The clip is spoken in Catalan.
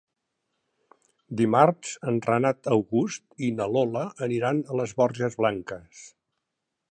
Dimarts en Renat August i na Lola aniran a les Borges Blanques.